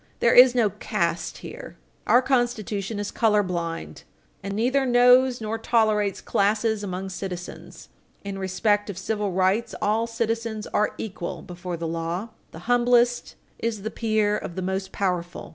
There is no caste here. Our Constitution is color blind, and neither knows nor tolerates classes among citizens. In respect of civil rights, all citizens are equal before the law. The humblest is the peer of the most powerful.